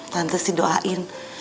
tante sih doain